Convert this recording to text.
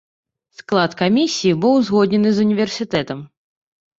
Склад камісіі быў узгоднены з універсітэтам.